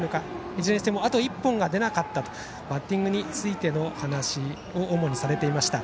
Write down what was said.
いずれにしてもあと１本が出なかったとバッティングについての話を主にされていました。